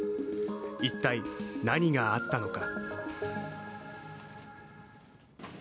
一体何があったのか。